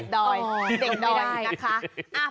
ติดดอยติดดอยนะคะ